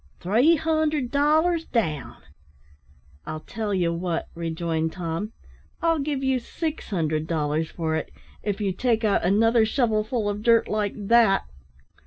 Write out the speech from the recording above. "Three hundred dollars down." "I'll tell ye what," rejoined Tom, "I'll give you six hundred dollars for it, if you take out another shovelful of dirt like that!"